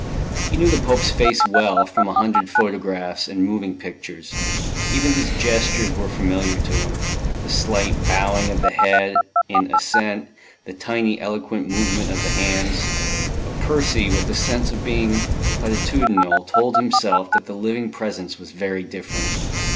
He knew the Pope's face well, from a hundred photographs and moving pictures; even his gestures were familiar to him, the slight bowing of the head in assent, the tiny eloquent movement of the hands; but Percy, with a sense of being platitudinal, told himself that the living presence was very different.